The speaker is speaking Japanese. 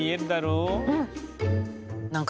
うん。